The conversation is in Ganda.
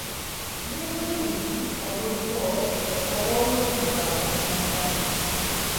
Ndi bujulizi obuliwo obw'obulungi bwa Katonda.